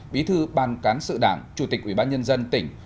bí thư ban cán sự đảng chủ tịch ủy ban nhân dân tỉnh